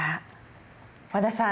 和田さん